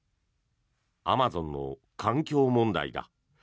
アマゾンの環境問題だ。